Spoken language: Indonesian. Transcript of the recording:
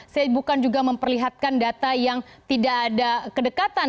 saya bukan juga memperlihatkan data yang tidak ada kedekatan